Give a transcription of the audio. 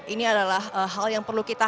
ini adalah hal yang perlu kita